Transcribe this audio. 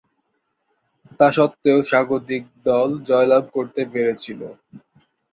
তাসত্ত্বেও, স্বাগতিক দল জয়লাভ করতে পেরেছিল।